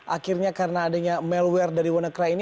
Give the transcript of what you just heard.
akhirnya karena adanya malware dari wannacry ini